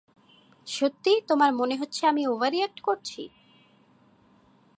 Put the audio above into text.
সত্যিই তোমার মনে হচ্ছে আমি ওভার রিয়েক্ট করছি?